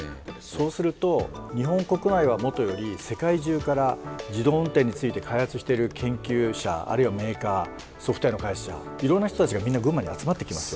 そうすると日本国内はもとより世界中から自動運転について開発している研究者あるいはメーカーソフトウエアの開発者いろんな人たちがみんな群馬に集まってきますよね。